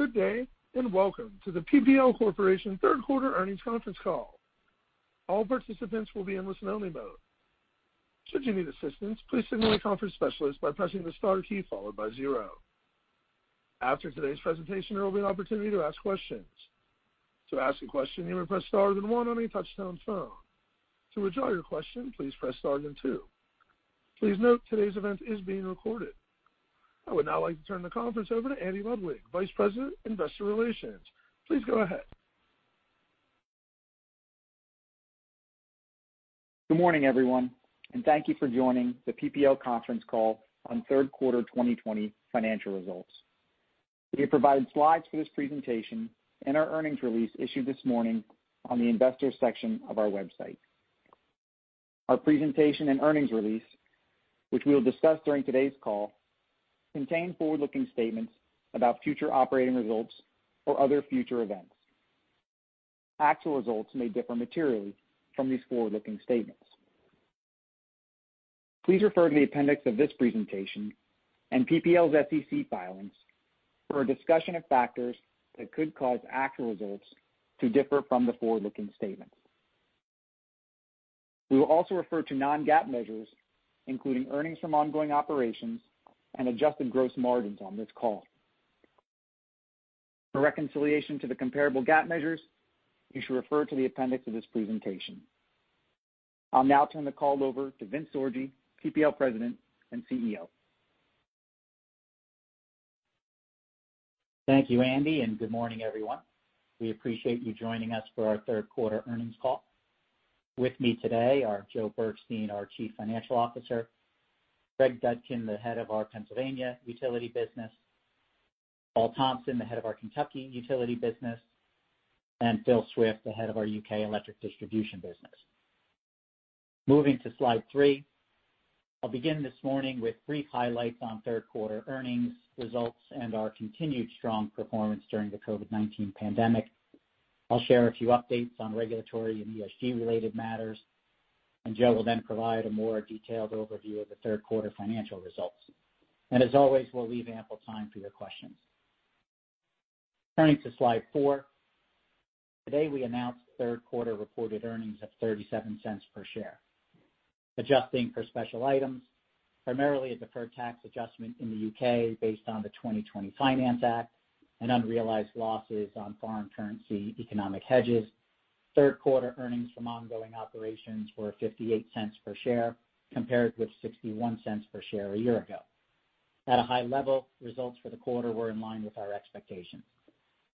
Good day, welcome to the PPL Corporation third quarter earnings conference call. All participants will be in a listen-only mode. Should you need assistance, please signal a conference specialist by pressing the star key followed by zero. After today's presentation, there will be an opportunity to ask questions. To ask a question, you may press star then one on your touch-tone phone. To withdraw your question, please press star then two. Please note, today's event is being recorded. I would now like to turn the conference over to Andy Ludwig, Vice President, Investor Relations. Please go ahead. Good morning, everyone, and thank you for joining the PPL conference call on third quarter 2020 financial results. We have provided slides for this presentation in our earnings release issued this morning on the investors section of our website. Our presentation and earnings release, which we will discuss during today's call, contain forward-looking statements about future operating results or other future events. Actual results may differ materially from these forward-looking statements. Please refer to the appendix of this presentation and PPL's SEC filings for a discussion of factors that could cause actual results to differ from the forward-looking statements. We will also refer to non-GAAP measures, including earnings from ongoing operations and adjusted gross margins on this call. For reconciliation to the comparable GAAP measures, you should refer to the appendix of this presentation. I'll now turn the call over to Vince Sorgi, PPL President and CEO. Thank you, Andy. Good morning, everyone. We appreciate you joining us for our third quarter earnings call. With me today are Joe Bergstein, our Chief Financial Officer, Greg Dudkin, the Head of our Pennsylvania utility business, Paul Thompson, the Head of our Kentucky utility business, and Phil Swift, the Head of our U.K. electric distribution business. Moving to slide three. I'll begin this morning with brief highlights on third quarter earnings results and our continued strong performance during the COVID-19 pandemic. I'll share a few updates on regulatory and ESG-related matters. Joe will then provide a more detailed overview of the third quarter financial results. As always, we'll leave ample time for your questions. Turning to slide four. Today, we announced third quarter reported earnings of $0.37 per share. Adjusting for special items, primarily a deferred tax adjustment in the U.K. based on the 2020 Finance Act and unrealized losses on foreign currency economic hedges. Third quarter earnings from ongoing operations were $0.58 per share compared with $0.61 per share a year ago. At a high level, results for the quarter were in line with our expectations.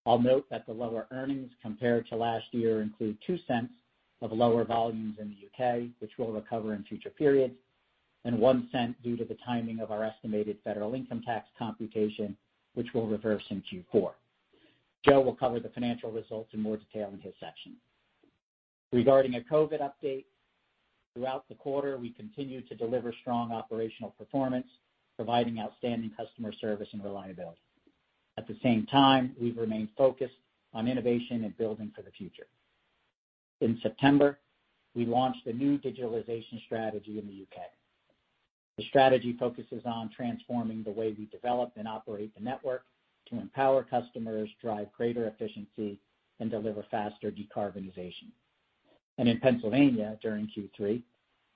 I'll note that the lower earnings compared to last year include $0.02 of lower volumes in the U.K., which we'll recover in future periods, and $0.01 due to the timing of our estimated federal income tax computation, which will reverse in Q4. Joe will cover the financial results in more detail in his section. Regarding a COVID-19 update, throughout the quarter, we continued to deliver strong operational performance, providing outstanding customer service and reliability. At the same time, we've remained focused on innovation and building for the future. In September, we launched a new digitalization strategy in the U.K. The strategy focuses on transforming the way we develop and operate the network to empower customers, drive greater efficiency, and deliver faster decarbonization. In Pennsylvania during Q3,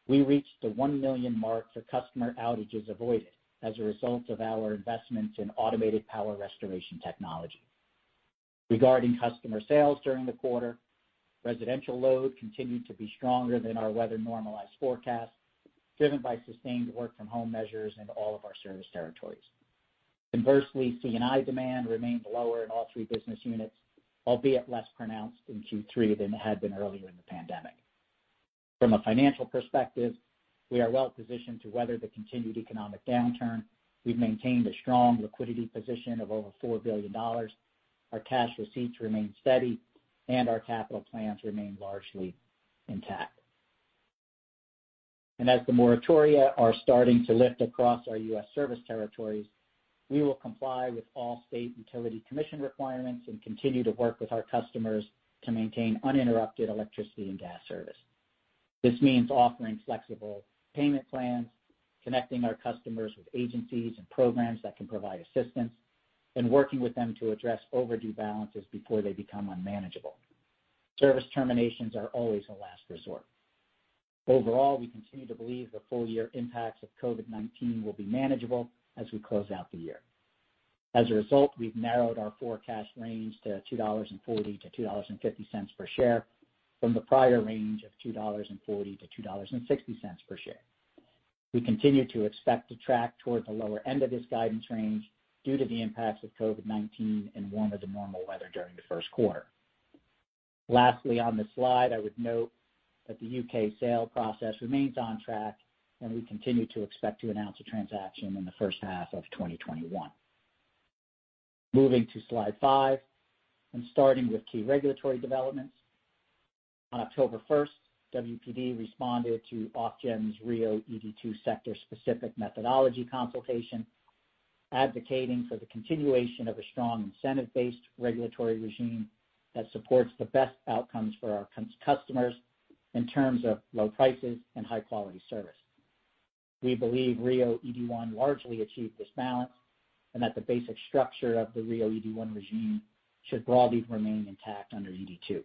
we reached the 1 million mark for customer outages avoided as a result of our investments in automated power restoration technology. Regarding customer sales during the quarter, residential load continued to be stronger than our weather-normalized forecast, driven by sustained work from home measures in all of our service territories. Conversely, C&I demand remained lower in all three business units, albeit less pronounced in Q3 than it had been earlier in the pandemic. From a financial perspective, we are well positioned to weather the continued economic downturn. We've maintained a strong liquidity position of over $4 billion. Our cash receipts remain steady, our capital plans remain largely intact. As the moratoria are starting to lift across our U.S. service territories, we will comply with all state utility commission requirements and continue to work with our customers to maintain uninterrupted electricity and gas service. This means offering flexible payment plans, connecting our customers with agencies and programs that can provide assistance, and working with them to address overdue balances before they become unmanageable. Service terminations are always a last resort. Overall, we continue to believe the full-year impacts of COVID-19 will be manageable as we close out the year. As a result, we've narrowed our forecast range to $2.40-$2.50 per share from the prior range of $2.40-$2.60 per share. We continue to expect to track toward the lower end of this guidance range due to the impacts of COVID-19 and warmer than normal weather during the first quarter. Lastly, on this slide, I would note that the U.K. sale process remains on track, and we continue to expect to announce a transaction in the first half of 2021. Moving to slide five and starting with key regulatory developments. On October 1st, WPD responded to Ofgem's RIIO-ED2 sector-specific methodology consultation, advocating for the continuation of a strong incentive-based regulatory regime that supports the best outcomes for our customers in terms of low prices and high-quality service. We believe RIIO-ED1 largely achieved this balance, and that the basic structure of the RIIO-ED1 regime should broadly remain intact under ED2.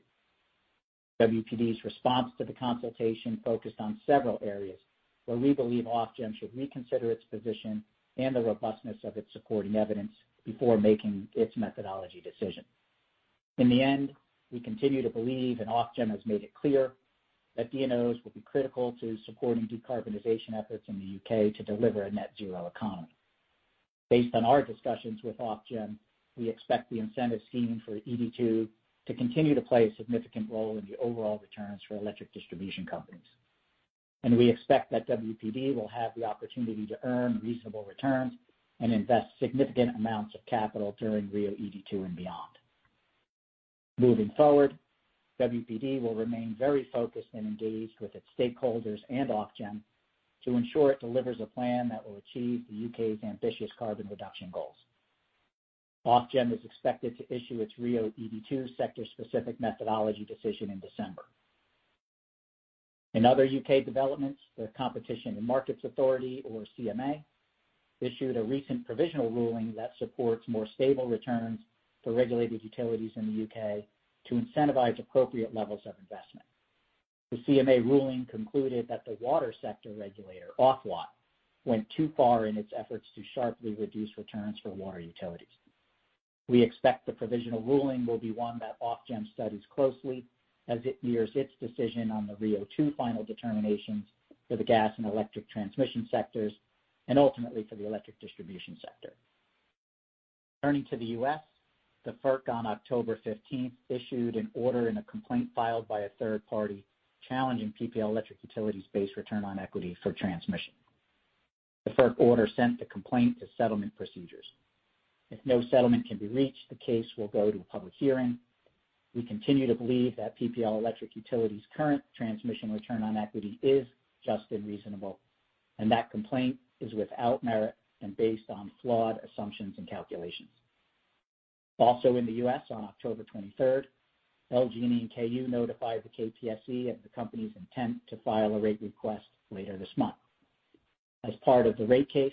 WPD's response to the consultation focused on several areas where we believe Ofgem should reconsider its position and the robustness of its supporting evidence before making its methodology decision. In the end, we continue to believe, Ofgem has made it clear, that DNOs will be critical to supporting decarbonization efforts in the U.K. to deliver a net zero economy. Based on our discussions with Ofgem, we expect the incentive scheme for ED2 to continue to play a significant role in the overall returns for electric distribution companies. We expect that WPD will have the opportunity to earn reasonable returns and invest significant amounts of capital during RIIO-ED2 and beyond. Moving forward, WPD will remain very focused and engaged with its stakeholders and Ofgem to ensure it delivers a plan that will achieve the U.K.'s ambitious carbon reduction goals. Ofgem is expected to issue its RIIO-ED2 sector-specific methodology decision in December. In other U.K. developments, the Competition and Markets Authority, or CMA, issued a recent provisional ruling that supports more stable returns for regulated utilities in the U.K. to incentivize appropriate levels of investment. The CMA ruling concluded that the water sector regulator, Ofwat, went too far in its efforts to sharply reduce returns for water utilities. We expect the provisional ruling will be one that Ofgem studies closely as it nears its decision on the RIIO2 final determinations for the gas and electric transmission sectors, and ultimately for the electric distribution sector. Turning to the U.S., the FERC on October 15th issued an order in a complaint filed by a third party challenging PPL Electric Utilities' base return on equity for transmission. The FERC order sent the complaint to settlement procedures. If no settlement can be reached, the case will go to a public hearing. We continue to believe that PPL Electric Utilities' current transmission return on equity is just and reasonable, and that complaint is without merit and based on flawed assumptions and calculations. Also in the U.S. on October 23rd, LG&E and KU notified the KPSC of the company's intent to file a rate request later this month. As part of the rate case,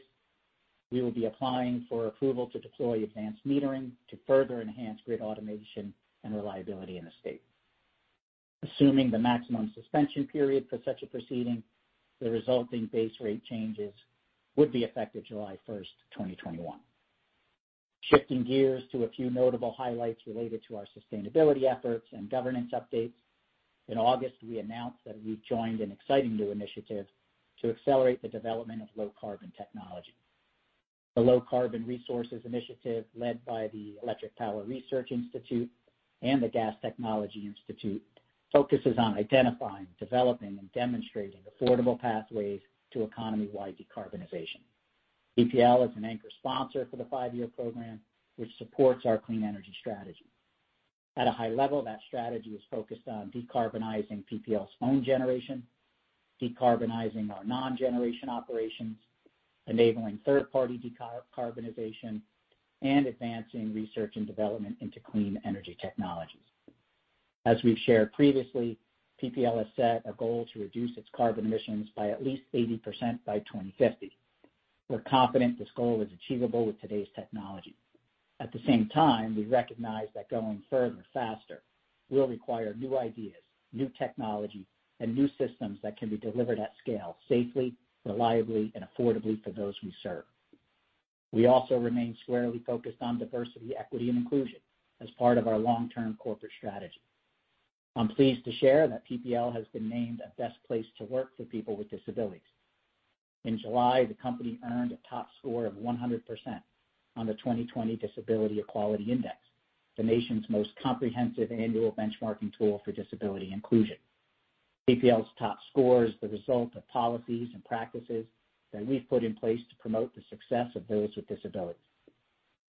we will be applying for approval to deploy advanced metering to further enhance grid automation and reliability in the state. Assuming the maximum suspension period for such a proceeding, the resulting base rate changes would be effective July 1st, 2021. Shifting gears to a few notable highlights related to our sustainability efforts and governance updates. In August, we announced that we've joined an exciting new initiative to accelerate the development of low carbon technology. The Low-Carbon Resources Initiative, led by the Electric Power Research Institute and the Gas Technology Institute, focuses on identifying, developing, and demonstrating affordable pathways to economy-wide decarbonization. PPL is an anchor sponsor for the five-year program, which supports our clean energy strategy. At a high level, that strategy is focused on decarbonizing PPL's own generation, decarbonizing our non-generation operations, enabling third-party decarbonization, and advancing research and development into clean energy technologies. As we've shared previously, PPL has set a goal to reduce its carbon emissions by at least 80% by 2050. We're confident this goal is achievable with today's technology. At the same time, we recognize that going further faster will require new ideas, new technology, and new systems that can be delivered at scale safely, reliably, and affordably for those we serve. We also remain squarely focused on diversity, equity, and inclusion as part of our long-term corporate strategy. I'm pleased to share that PPL has been named a best place to work for people with disabilities. In July, the company earned a top score of 100% on the 2020 Disability Equality Index, the nation's most comprehensive annual benchmarking tool for disability inclusion. PPL's top score is the result of policies and practices that we've put in place to promote the success of those with disabilities.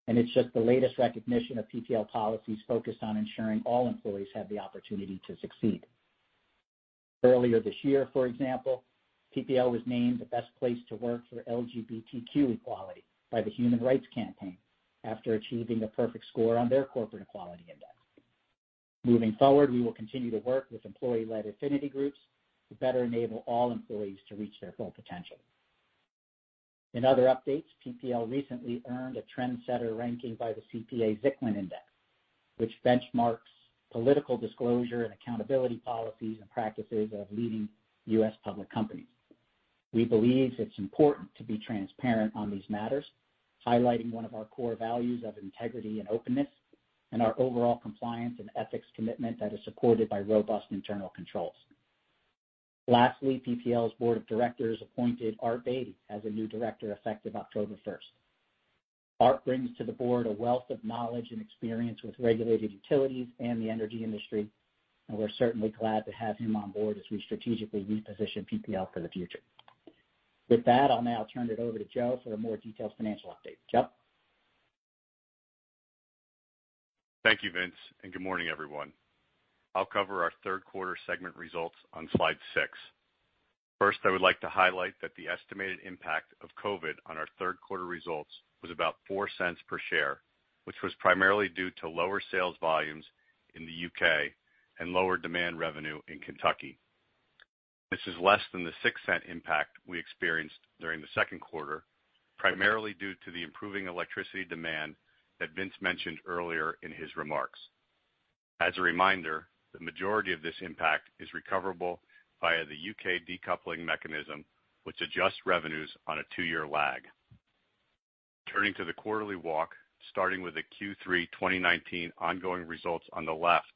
It's just the latest recognition of PPL policies focused on ensuring all employees have the opportunity to succeed. Earlier this year, for example, PPL was named the best place to work for LGBTQ equality by the Human Rights Campaign after achieving a perfect score on their Corporate Equality Index. Moving forward, we will continue to work with employee-led affinity groups to better enable all employees to reach their full potential. In other updates, PPL recently earned a trendsetter ranking by the CPA-Zicklin Index, which benchmarks political disclosure and accountability policies and practices of leading U.S. public companies. We believe it's important to be transparent on these matters, highlighting one of our core values of integrity and openness and our overall compliance and ethics commitment that is supported by robust internal controls. Lastly, PPL's board of directors appointed Art Beattie as a new director effective October 1st. Art brings to the board a wealth of knowledge and experience with regulated utilities and the energy industry, and we're certainly glad to have him on board as we strategically reposition PPL for the future. With that, I'll now turn it over to Joe for a more detailed financial update. Joe? Thank you, Vince. Good morning, everyone. I'll cover our third quarter segment results on slide six. First, I would like to highlight that the estimated impact of COVID-19 on our third quarter results was about $0.04 per share, which was primarily due to lower sales volumes in the U.K. Lower demand revenue in Kentucky. This is less than the $0.06 impact we experienced during the second quarter, primarily due to the improving electricity demand that Vince mentioned earlier in his remarks. As a reminder, the majority of this impact is recoverable via the U.K. decoupling mechanism, which adjusts revenues on a two-year lag. Turning to the quarterly walk, starting with the Q3 2019 ongoing results on the left,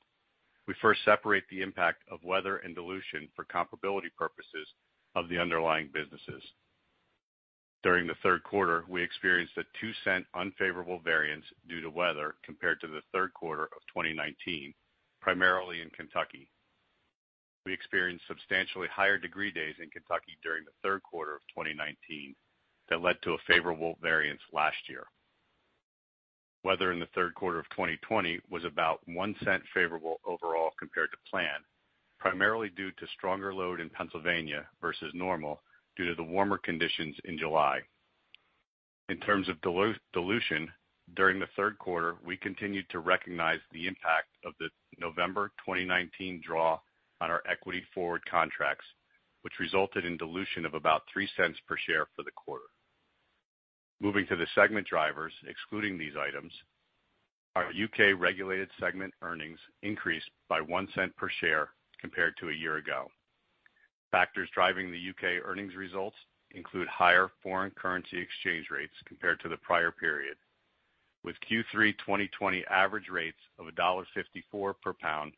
we first separate the impact of weather and dilution for comparability purposes of the underlying businesses. During the third quarter, we experienced a $0.02 unfavorable variance due to weather compared to the third quarter of 2019, primarily in Kentucky. We experienced substantially higher degree days in Kentucky during the third quarter of 2019 that led to a favorable variance last year. Weather in the third quarter of 2020 was about $0.01 favorable overall compared to plan, primarily due to stronger load in Pennsylvania versus normal due to the warmer conditions in July. In terms of dilution, during the third quarter, we continued to recognize the impact of the November 2019 draw on our equity forward contracts, which resulted in dilution of about $0.03 per share for the quarter. Moving to the segment drivers, excluding these items, our U.K. regulated segment earnings increased by $0.01 per share compared to a year ago. Factors driving the U.K. earnings results include higher foreign currency exchange rates compared to the prior period, with Q3 2020 average rates of $1.54 per pound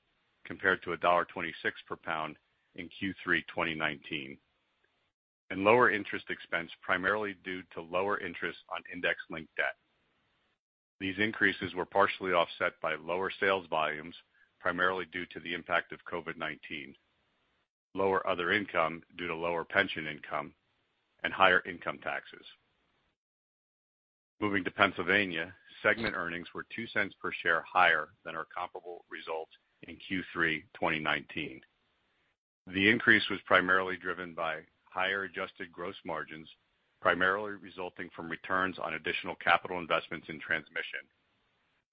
compared to $1.26 per pound in Q3 2019, and lower interest expense, primarily due to lower interest on index-linked debt. These increases were partially offset by lower sales volumes, primarily due to the impact of COVID-19, lower other income due to lower pension income and higher income taxes. Moving to Pennsylvania, segment earnings were $0.02 per share higher than our comparable results in Q3 2019. The increase was primarily driven by higher adjusted gross margins, primarily resulting from returns on additional capital investments in transmission.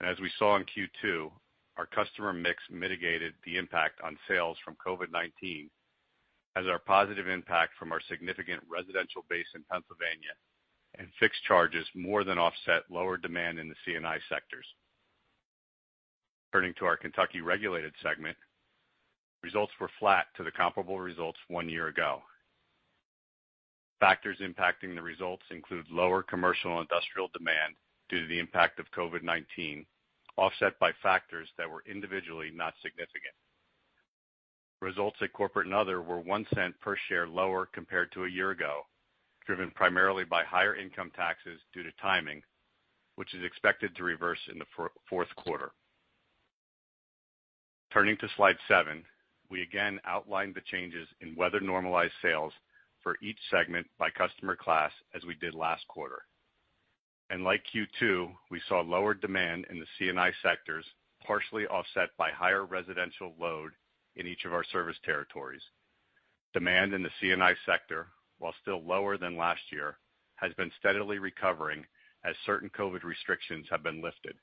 As we saw in Q2, our customer mix mitigated the impact on sales from COVID-19 as our positive impact from our significant residential base in Pennsylvania and fixed charges more than offset lower demand in the C&I sectors. Turning to our Kentucky regulated segment, results were flat to the comparable results one year ago. Factors impacting the results include lower commercial and industrial demand due to the impact of COVID-19, offset by factors that were individually not significant. Results at corporate and other were $0.01 per share lower compared to a year ago, driven primarily by higher income taxes due to timing, which is expected to reverse in the fourth quarter. Turning to slide seven. We again outlined the changes in weather normalized sales for each segment by customer class, as we did last quarter. Like Q2, we saw lower demand in the C&I sectors, partially offset by higher residential load in each of our service territories. Demand in the C&I sector, while still lower than last year, has been steadily recovering as certain COVID restrictions have been lifted.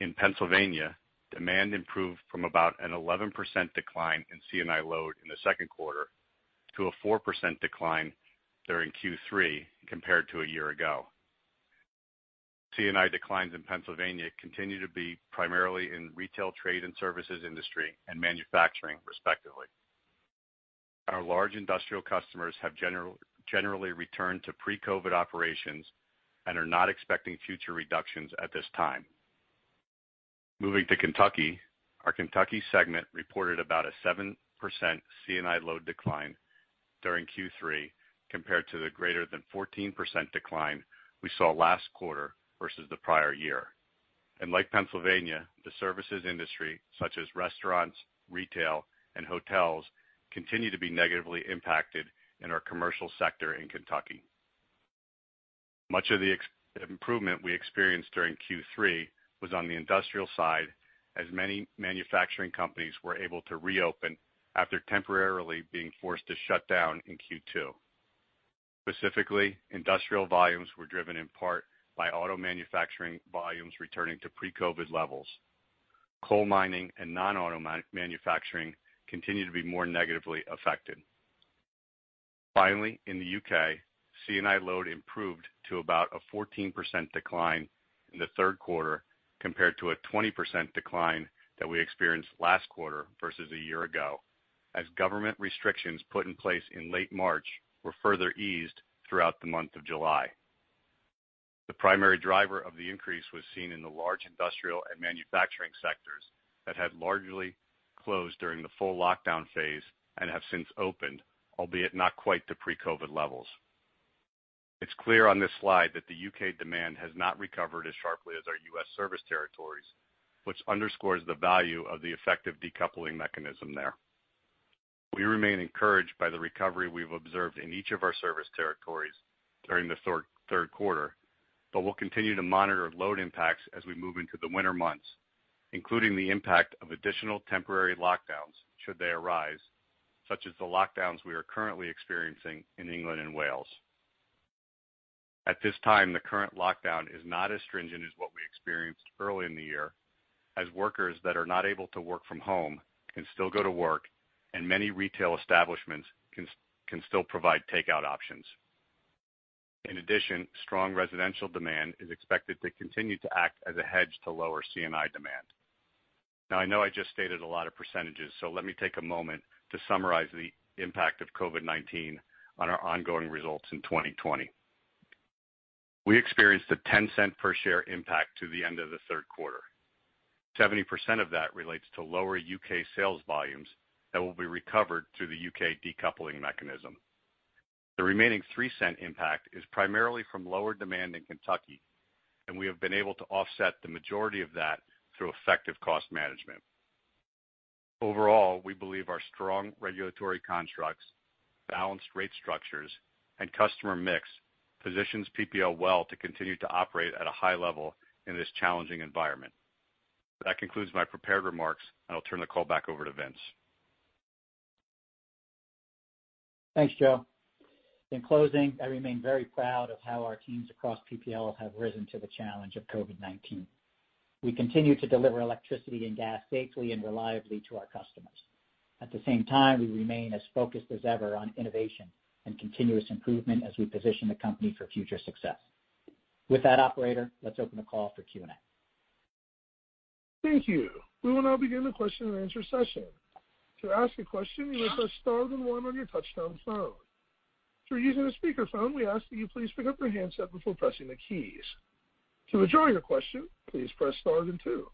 In Pennsylvania, demand improved from about an 11% decline in C&I load in the second quarter to a 4% decline during Q3 compared to a year ago. C&I declines in Pennsylvania continue to be primarily in retail, trade and services industry and manufacturing, respectively. Our large industrial customers have generally returned to pre-COVID operations and are not expecting future reductions at this time. Moving to Kentucky, our Kentucky segment reported about a 7% C&I load decline during Q3 compared to the greater than 14% decline we saw last quarter versus the prior year. Like Pennsylvania, the services industry such as restaurants, retail, and hotels continue to be negatively impacted in our commercial sector in Kentucky. Much of the improvement we experienced during Q3 was on the industrial side, as many manufacturing companies were able to reopen after temporarily being forced to shut down in Q2. Specifically, industrial volumes were driven in part by auto manufacturing volumes returning to pre-COVID-19 levels. Coal mining and non-auto manufacturing continue to be more negatively affected. Finally, in the U.K., C&I load improved to about a 14% decline in the third quarter, compared to a 20% decline that we experienced last quarter versus a year ago as government restrictions put in place in late March were further eased throughout the month of July. The primary driver of the increase was seen in the large industrial and manufacturing sectors that had largely closed during the full lockdown phase and have since opened, albeit not quite to pre-Covid levels. It's clear on this slide that the U.K. demand has not recovered as sharply as our U.S. service territories, which underscores the value of the effective decoupling mechanism there. We remain encouraged by the recovery we've observed in each of our service territories during the third quarter, but we'll continue to monitor load impacts as we move into the winter months, including the impact of additional temporary lockdowns should they arise, such as the lockdowns we are currently experiencing in England and Wales. At this time, the current lockdown is not as stringent as what we experienced early in the year, as workers that are not able to work from home can still go to work, and many retail establishments can still provide takeout options. In addition, strong residential demand is expected to continue to act as a hedge to lower C&I demand. I know I just stated a lot of percentages, so let me take a moment to summarize the impact of COVID-19 on our ongoing results in 2020. We experienced a $0.10 per share impact to the end of the third quarter. 70% of that relates to lower U.K. sales volumes that will be recovered through the U.K. decoupling mechanism. The remaining $0.03 impact is primarily from lower demand in Kentucky, and we have been able to offset the majority of that through effective cost management. Overall, we believe our strong regulatory constructs, balanced rate structures, and customer mix positions PPL well to continue to operate at a high level in this challenging environment. That concludes my prepared remarks, and I'll turn the call back over to Vince. Thanks, Joe. In closing, I remain very proud of how our teams across PPL have risen to the challenge of COVID-19. We continue to deliver electricity and gas safely and reliably to our customers. At the same time, we remain as focused as ever on innovation and continuous improvement as we position the company for future success. With that, operator, let's open the call for Q&A. Thank you. We will now begin the question-and-answer session. To ask a question, you may press star then one on your touchtone phone. If you're using a speakerphone, we ask that you please pick up your handset before pressing the keys. To withdraw your question, please press star then two.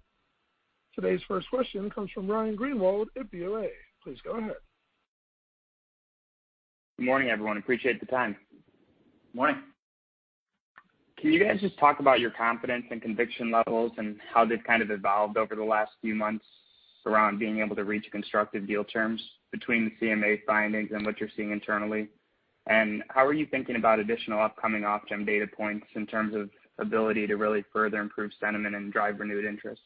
Today's first question comes from Ryan Greenwald at BofA. Please go ahead. Good morning, everyone. Appreciate the time. Morning. Can you guys just talk about your confidence and conviction levels and how they've kind of evolved over the last few months around being able to reach constructive deal terms between the CMA findings and what you're seeing internally? How are you thinking about additional upcoming Ofgem data points in terms of ability to really further improve sentiment and drive renewed interest?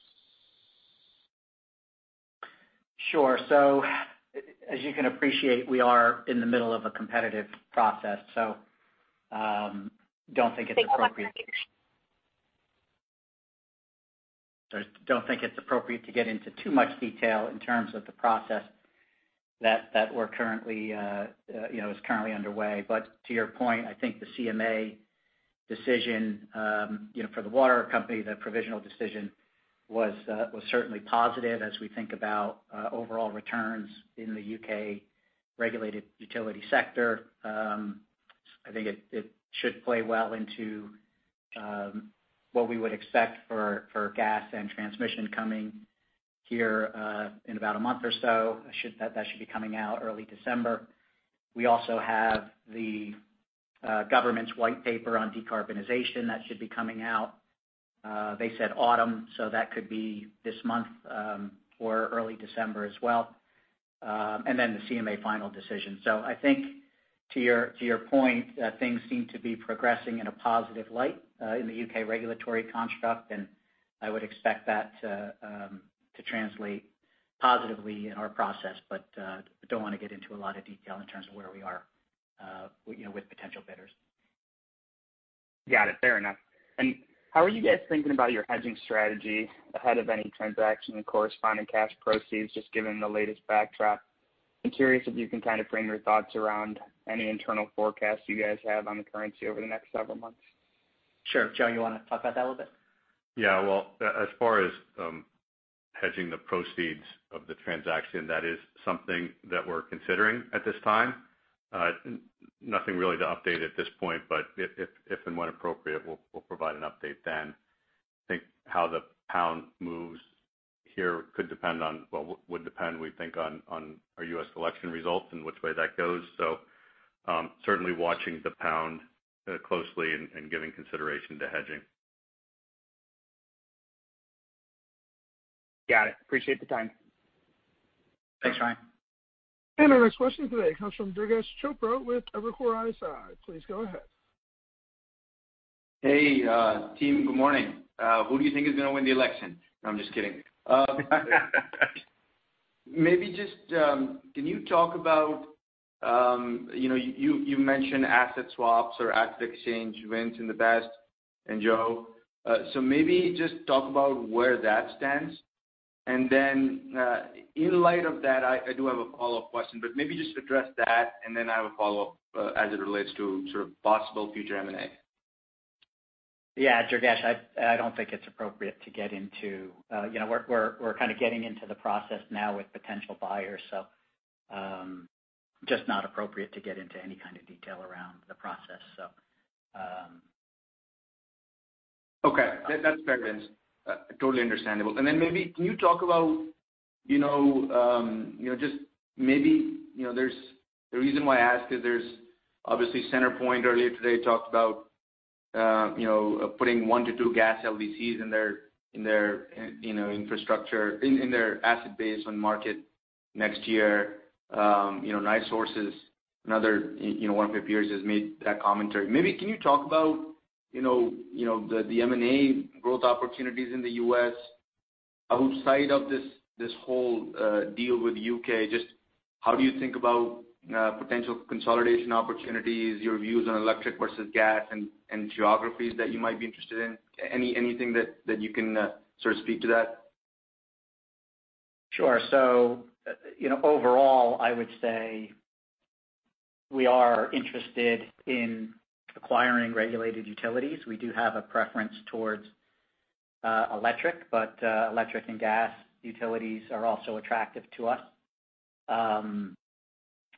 Sure. As you can appreciate, we are in the middle of a competitive process, so don't think it's appropriate to get into too much detail in terms of the process that is currently underway. To your point, I think the CMA decision for the water company, the provisional decision was certainly positive as we think about overall returns in the U.K. regulated utility sector. I think it should play well into what we would expect for gas and transmission coming here in about a month or so. That should be coming out early December. We also have the government's white paper on decarbonization that should be coming out. They said autumn, so that could be this month or early December as well. Then the CMA final decision. I think to your point, things seem to be progressing in a positive light in the U.K. regulatory construct, and I would expect that to translate positively in our process. I don't want to get into a lot of detail in terms of where we are with potential bidders. Got it. Fair enough. How are you guys thinking about your hedging strategy ahead of any transaction and corresponding cash proceeds, just given the latest backdrop? I'm curious if you can kind of frame your thoughts around any internal forecasts you guys have on the currency over the next several months. Sure. Joe, you want to talk about that a little bit? Yeah. Well, as far as hedging the proceeds of the transaction, that is something that we're considering at this time. Nothing really to update at this point, but if and when appropriate, we'll provide an update then. I think how the pound moves here could depend on, well, would depend, we think, on our U.S. election results and which way that goes. Certainly watching the pound closely and giving consideration to hedging. Got it. Appreciate the time. Thanks, Ryan. Our next question today comes from Durgesh Chopra with Evercore ISI. Please go ahead. Hey, team. Good morning. Who do you think is going to win the election? No, I'm just kidding. Maybe just can you talk about, you mentioned asset swaps or asset exchange events in the past, and Joe, maybe just talk about where that stands. In light of that, I do have a follow-up question. Maybe just address that. I have a follow-up as it relates to sort of possible future M&A. Yeah. Durgesh, I don't think it's appropriate. We're kind of getting into the process now with potential buyers, so just not appropriate to get into any kind of detail around the process. Okay. That's fair, Vince. Totally understandable. The reason why I ask is there's obviously CenterPoint earlier today talked about putting one to two gas LDCs in their infrastructure, in their asset base on market next year. NiSource is another one of your peers has made that commentary. Can you talk about the M&A growth opportunities in the U.S.? Outside of this whole deal with the U.K., just how do you think about potential consolidation opportunities, your views on electric versus gas, and geographies that you might be interested in? Anything that you can sort of speak to that? Sure. Overall, I would say we are interested in acquiring regulated utilities. We do have a preference towards electric, but electric and gas utilities are also attractive to us.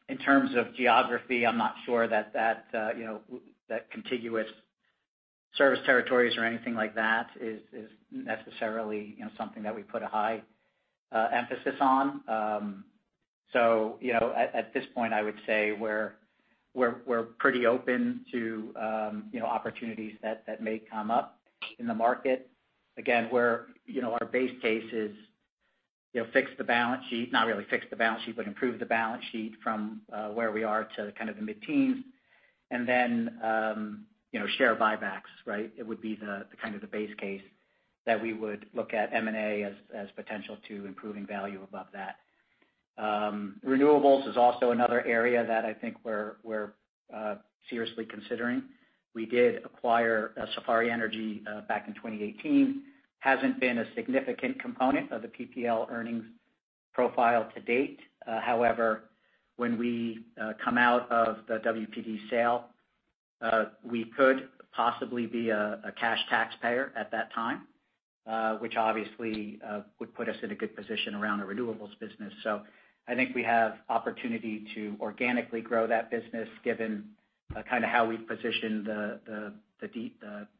In terms of geography, I'm not sure that contiguous service territories or anything like that is necessarily something that we put a high emphasis on. At this point, I would say we're pretty open to opportunities that may come up in the market. Again, our base case is fix the balance sheet, not really fix the balance sheet, but improve the balance sheet from where we are to kind of the mid-teens, and then share buybacks, right? It would be the kind of the base case that we would look at M&A as potential to improving value above that. Renewables is also another area that I think we're seriously considering. We did acquire Safari Energy back in 2018. Hasn't been a significant component of the PPL earnings profile to date. When we come out of the WPD sale, we could possibly be a cash taxpayer at that time, which obviously would put us in a good position around the renewables business. I think we have opportunity to organically grow that business given kind of how we position the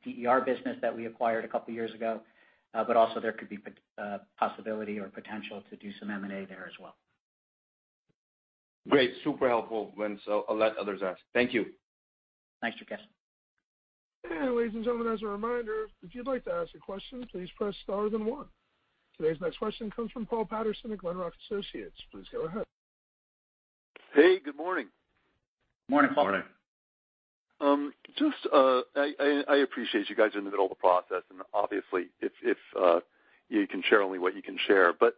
DER business that we acquired a couple years ago. Also there could be possibility or potential to do some M&A there as well. Great. Super helpful, Vince. I'll let others ask. Thank you. Thanks, Durgesh. Ladies and gentlemen, as a reminder, if you'd like to ask a question, please press star then one. Today's next question comes from Paul Patterson at Glenrock Associates. Please go ahead. Hey, good morning. Morning, Paul. Morning. I appreciate you guys are in the middle of a process, and obviously if you can share only what you can share, but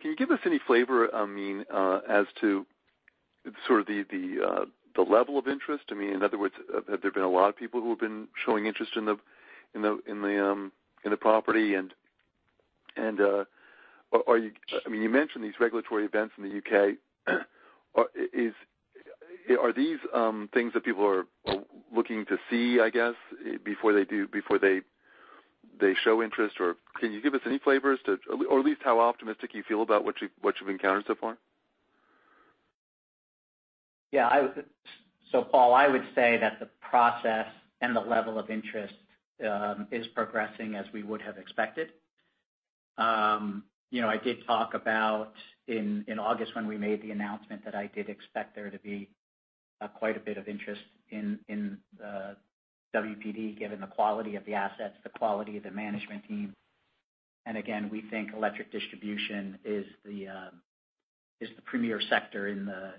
can you give us any flavor as to sort of the level of interest? I mean, in other words, have there been a lot of people who have been showing interest in the property? You mentioned these regulatory events in the U.K. Are these things that people are looking to see, I guess, before they show interest, or can you give us any flavors or at least how optimistic you feel about what you've encountered so far? Yeah. Paul, I would say that the process and the level of interest is progressing as we would have expected. I did talk about in August when we made the announcement that I did expect there to be quite a bit of interest in WPD, given the quality of the assets, the quality of the management team. Again, we think electric distribution is the premier sector in the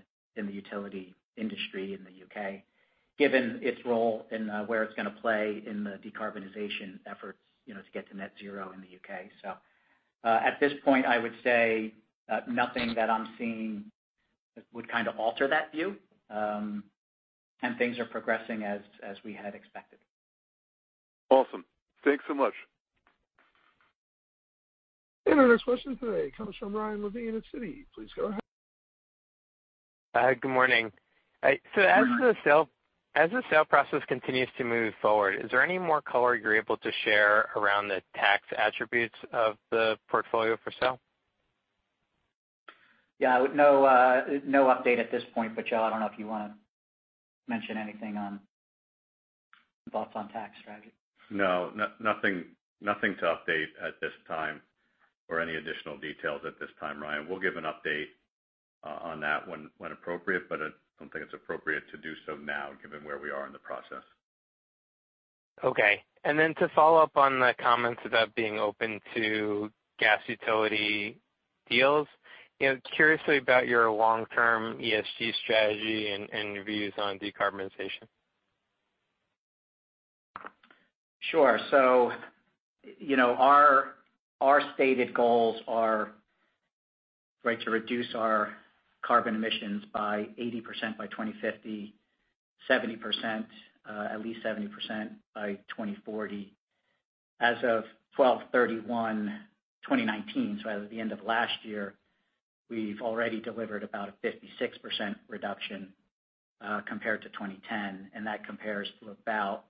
utility industry in the U.K., given its role in where it's going to play in the decarbonization efforts to get to net zero in the U.K. At this point, I would say nothing that I'm seeing would kind of alter that view. Things are progressing as we had expected. Awesome. Thanks so much. Our next question today comes from Ryan Levine at Citi. Please go ahead. Hi, good morning. As the sale process continues to move forward, is there any more color you're able to share around the tax attributes of the portfolio for sale? Yeah. No update at this point, but Joe, I don't know if you want to mention anything on thoughts on tax strategy. No, nothing to update at this time or any additional details at this time, Ryan. We'll give an update on that when appropriate, but I don't think it's appropriate to do so now given where we are in the process. Okay. Then to follow up on the comments about being open to gas utility deals, curiously about your long-term ESG strategy and views on decarbonization. Sure. Our stated goals are to reduce our carbon emissions by 80% by 2050, at least 70% by 2040. As of 12/31/2019, as of the end of last year, we've already delivered about a 56% reduction compared to 2010, and that compares to about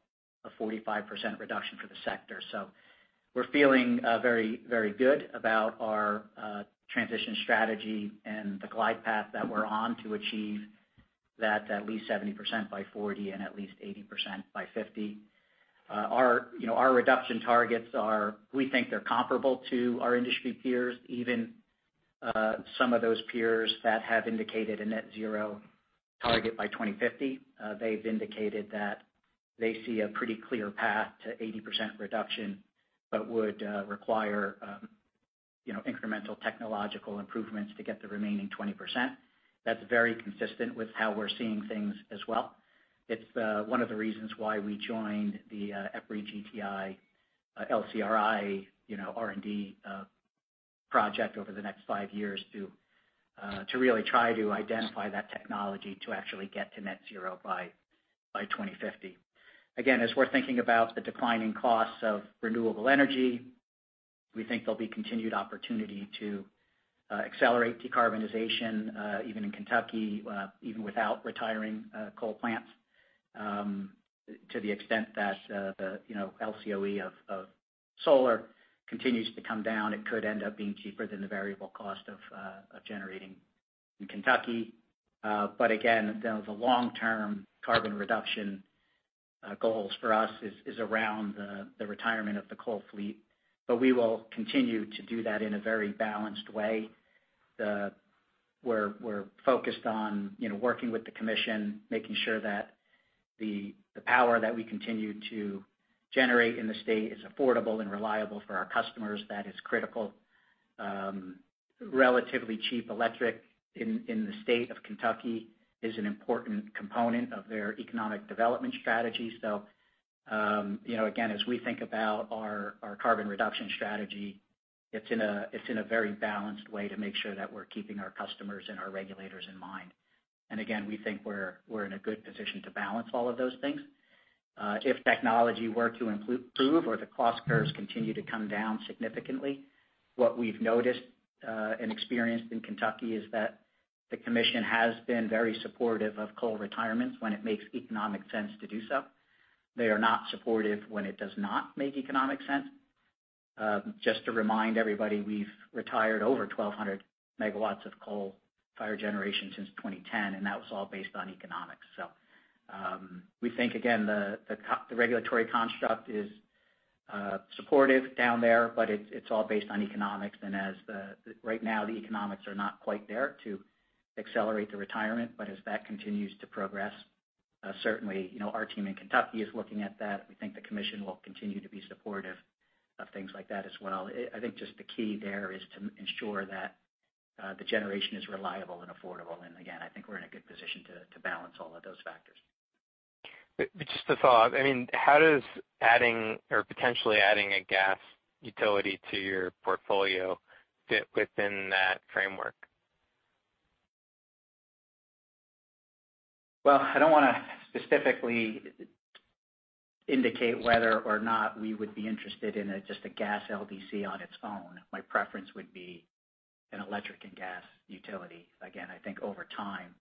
a 45% reduction for the sector. We're feeling very good about our transition strategy and the glide path that we're on to achieve that at least 70% by 2040 and at least 80% by 2050. Our reduction targets are, we think they're comparable to our industry peers, even some of those peers that have indicated a net zero target by 2050. They've indicated that they see a pretty clear path to 80% reduction, but would require incremental technological improvements to get the remaining 20%. That's very consistent with how we're seeing things as well. It's one of the reasons why we joined the EPRI-GTI LCRI R&D project over the next five years to really try to identify that technology to actually get to net zero by 2050. As we're thinking about the declining costs of renewable energy, we think there'll be continued opportunity to accelerate decarbonization, even in Kentucky, even without retiring coal plants. To the extent that the LCOE of solar continues to come down, it could end up being cheaper than the variable cost of generating in Kentucky. The long-term carbon reduction goals for us is around the retirement of the coal fleet. We will continue to do that in a very balanced way. We're focused on working with the commission, making sure that the power that we continue to generate in the state is affordable and reliable for our customers. That is critical. Relatively cheap electric in the state of Kentucky is an important component of their economic development strategy. Again, as we think about our carbon reduction strategy, it's in a very balanced way to make sure that we're keeping our customers and our regulators in mind. Again, we think we're in a good position to balance all of those things. If technology were to improve or the cost curves continue to come down significantly, what we've noticed and experienced in Kentucky is that the commission has been very supportive of coal retirements when it makes economic sense to do so. They are not supportive when it does not make economic sense. Just to remind everybody, we've retired over 1,200 MW of coal-fired generation since 2010, and that was all based on economics. We think, again, the regulatory construct is supportive down there, but it's all based on economics. As right now, the economics are not quite there to accelerate the retirement, but as that continues to progress, certainly our team in Kentucky is looking at that. We think the commission will continue to be supportive of things like that as well. I think just the key there is to ensure that the generation is reliable and affordable. Again, I think we're in a good position to balance all of those factors. Just a thought. How does potentially adding a gas utility to your portfolio fit within that framework? Well, I don't want to specifically indicate whether or not we would be interested in just a gas LDC on its own. My preference would be an electric and gas utility. Again, I think over time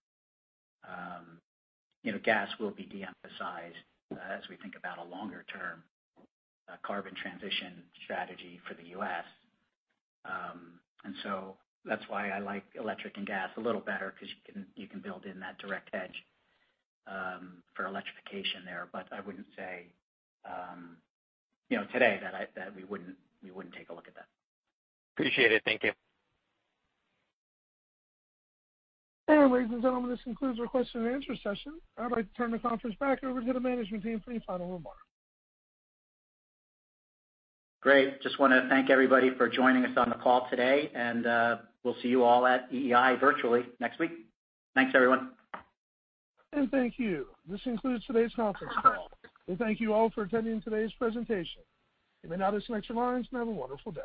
gas will be de-emphasized as we think about a longer-term carbon transition strategy for the U.S. That's why I like electric and gas a little better because you can build in that direct edge for electrification there. I wouldn't say today that we wouldn't take a look at that. Appreciate it. Thank you. Ladies and gentlemen, this concludes our question and answer session. I'd like to turn the conference back over to the management team for any final remarks. Great. Just want to thank everybody for joining us on the call today. We'll see you all at EEI virtually next week. Thanks, everyone. Thank you. This concludes today's conference call. We thank you all for attending today's presentation. You may now disconnect your lines and have a wonderful day.